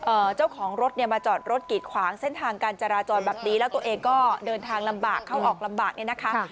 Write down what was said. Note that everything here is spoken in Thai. เจ้าของรถเนี่ยมาจอดรถกีดขวางเส้นทางการจราจรแบบนี้แล้วตัวเองก็เดินทางลำบากเข้าออกลำบากเนี่ยนะคะ